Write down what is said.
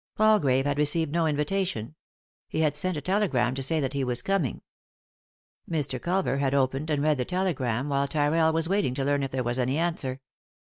Palgrave had received no invitation ; he had sent a tele gram to say that he was coming. Mr. Culver had opened and read the telegram, while Tyrrell was wait ing to learn if there was any answer.